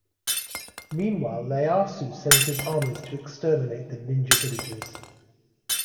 Meanwhile, Ieyasu sends his armies to exterminate the ninja villages.